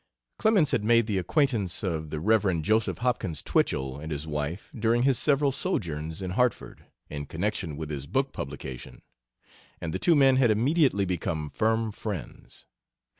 Clemens had made the acquaintance of the Rev. Joseph Hopkins Twichell and his wife during his several sojourns in Hartford, in connection with his book publication, and the two men had immediately become firm friends.